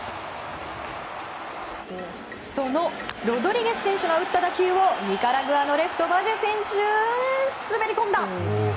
そのロドリゲス選手が打った打球をニカラグアのレフトバジェ選手、滑り込んだ！